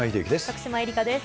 徳島えりかです。